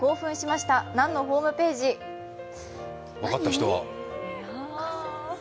分かった人は？